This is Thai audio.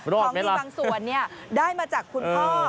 ของดีบางส่วนได้มาจากคุณพ่อ